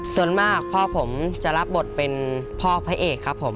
ส่วนมากพ่อผมจะรับบทเป็นพ่อพระเอกครับผม